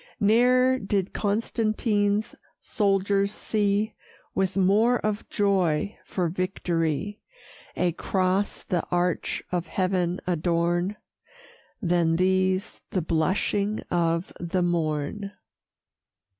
Ne'er did Constantine's soldiers see, With more of joy for victory, A cross the arch of heaven adorn, Than these the blushing of the morn.